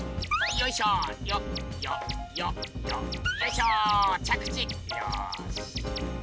よし。